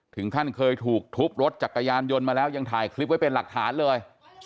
ถึงขั้นเคยถูกทุบรถจักรยานยนต์มาแล้วยังถ่ายคลิปไว้เป็นหลักฐานเลย